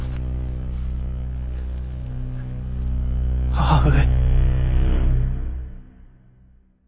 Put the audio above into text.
母上。